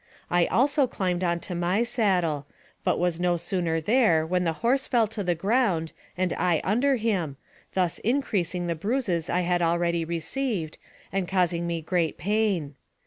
I also climbed into my saddle, but was no sooner there than the horse fell to the ground, and I under him, thus increasing the bruises I had already received, and causing me great pain.